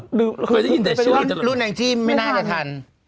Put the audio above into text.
คือเป็นว่ารุ่นนางจิ้มไม่น่าจะทัน